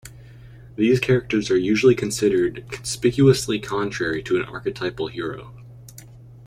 These characters are usually considered "conspicuously contrary to an archetypal hero".